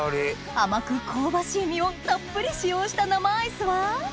甘く香ばしい実をたっぷり使用した生アイスは？